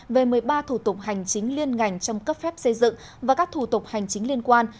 về một mươi ba thủ tục hành chính liên ngành trong cấp phép xây dựng và các thủ tục hành chính liên quan